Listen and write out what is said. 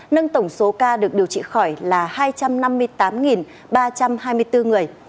nâng tổng số ca được điều trị khỏi là hai trăm năm mươi tám ba trăm hai mươi bốn người